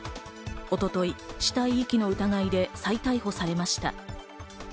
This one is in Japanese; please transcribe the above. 一昨日、死体遺棄の疑いで再逮捕されました。